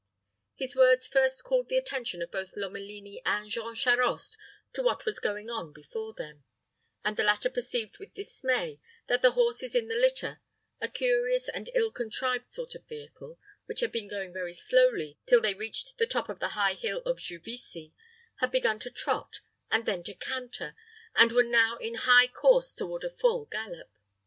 His words first called the attention of both Lomelini and Jean Charost to what was going on before them, and the latter perceived with dismay that the horses in the litter a curious and ill contrived sort of vehicle which had been going very slowly till they reached the top of the high hill of Juvisy, had begun to trot, and then to canter, and were now in high course toward a full gallop.